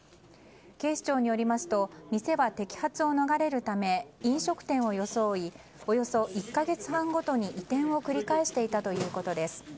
警視庁によりますと店は摘発を逃れるため飲食店を装いおよそ１か月半ごとに移転を繰り返していたということです。